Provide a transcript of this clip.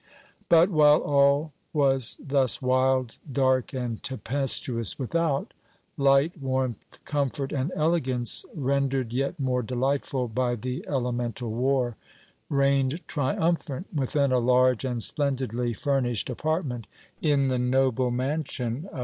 But, while all was thus wild, dark and tempestuous without, light, warmth, comfort and elegance, rendered yet more delightful by the elemental war, reigned triumphant within a large and splendidly furnished apartment in the noble mansion of M.